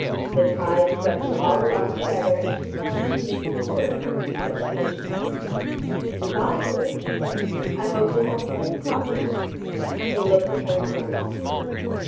The tide swept them all along together, and she felt she knew for certain what his destination was. "Good bye, sir," she said. "I hope you'll have a pleasant crossing." He looked at her in some confusion.